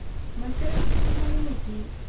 ملګری کله معلومیږي؟